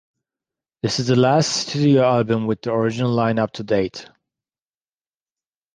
This is the last studio album with the original lineup to date.